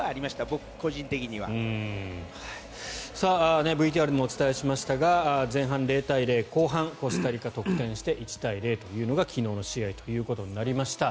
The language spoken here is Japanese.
僕、個人的には。ＶＴＲでもお伝えしましたが前半０対０後半にコスタリカが得点して１対０というのが昨日の試合ということになりました。